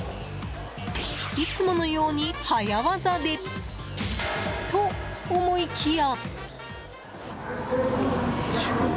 いつものように早業でと思いきや。